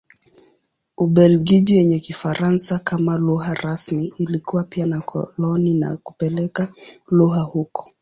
Ubelgiji yenye Kifaransa kama lugha rasmi ilikuwa pia na koloni na kupeleka lugha huko.